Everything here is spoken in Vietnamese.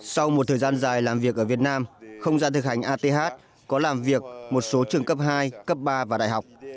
sau một thời gian dài làm việc ở việt nam không gian thực hành ath có làm việc một số trường cấp hai cấp ba và đại học